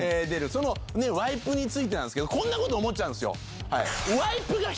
そのワイプについてなんですけどこんなこと思っちゃうんですよ。